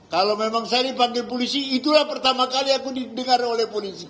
kalau memang saya dipanggil polisi itulah pertama kali aku didengar oleh polisi